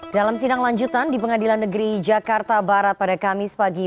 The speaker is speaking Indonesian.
dalam sidang lanjutan di pengadilan negeri jakarta barat pada kamis pagi